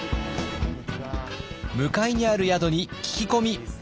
向かいにある宿に聞き込み。